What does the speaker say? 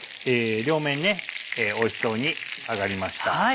両面おいしそうに揚がりました。